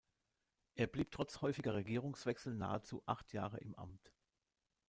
Er blieb trotz häufiger Regierungswechsel nahezu acht Jahre im Amt.